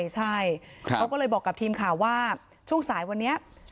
ใช่เขาก็เลยบอกกับทีมข่าวว่าช่วงสายวันนี้